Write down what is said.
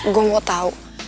gue gak tau